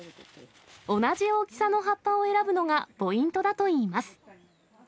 同じ大きさの葉っぱを選ぶのがポイントだといいます。